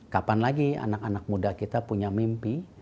kapan lagi anak anak muda kita punya mimpi